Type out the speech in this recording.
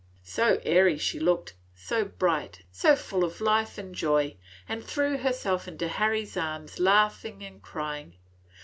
So airy she looked, so bright, so full of life and joy, and threw herself into Harry's arms, laughing and crying.